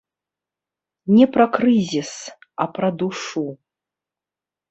Не пра крызіс, а пра душу.